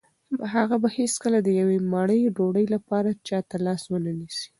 هغه به هیڅکله د یوې مړۍ ډوډۍ لپاره چا ته لاس ونه نیسي.